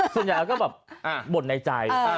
ส่วนใหญ่แล้วก็แบบบ่นในใจ